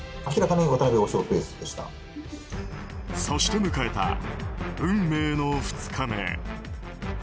そして迎えた運命の２日目。